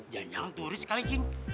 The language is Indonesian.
jalan jalan turis sekali cik